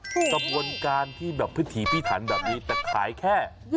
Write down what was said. กระบวนการที่แบบพิถีพิถันแบบนี้แต่ขายแค่